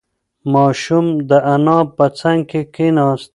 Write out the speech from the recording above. ماشوم د انا په څنگ کې کېناست.